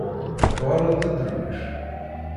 Tuɣaleḍ d aderwic?